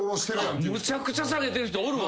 むちゃくちゃ下げてる人おるわ。